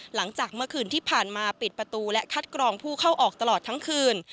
หลังจากเมื่อคืนที่ผ่านมาปิดประตูและคัดกรองผู้เข้าออกตลอดทั้งคืน